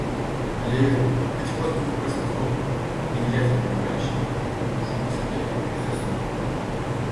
Левин, потихоньку выпростав руку, не глядя на умирающего, ушел к себе и заснул.